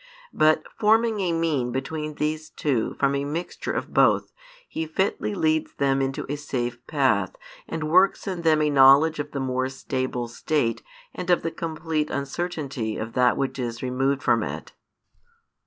But forming a mean between these two from a mixture of both, He fitly leads them into a safe path, and works in them a knowledge of the more stable state and of the complete uncertainty of that which is removed from it.